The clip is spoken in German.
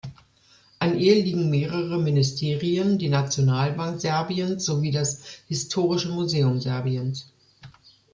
An ihr liegen mehrere Ministerien, die Nationalbank Serbiens sowie das Historische Museum Serbiens.